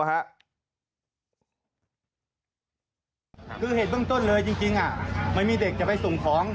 คือเหตุเบื้องต้นเลยจริงไม่มีเด็กจะไปส่งของ